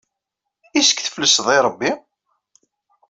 Isk tfelseḍ i Ṛebbi?